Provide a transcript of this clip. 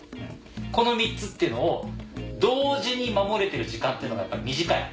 この３つっていうのを同時に守れてる時間っていうのがやっぱり短い。